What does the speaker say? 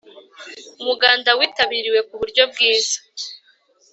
Umuganda witabiriwe ku buryo bwiza